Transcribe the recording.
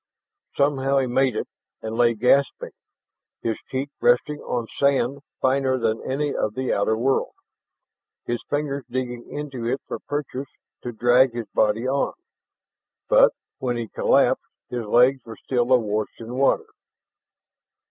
Somehow he made it and lay gasping, his cheek resting on sand finer than any of the outer world, his fingers digging into it for purchase to drag his body on. But when he collapsed, his legs were still awash in water.